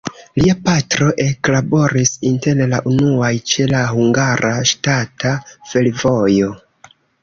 Lia patro eklaboris inter la unuaj ĉe la Hungara Ŝtata Fervojo.